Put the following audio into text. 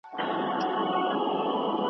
نه ځنګل نه شنه واښه نه شنه بېدیا وه `